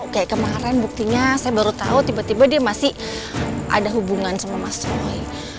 kayak kemarin buktinya saya baru tahu tiba tiba dia masih ada hubungan sama mas roy